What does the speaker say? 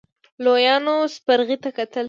لويانو سپرغې ته کتل.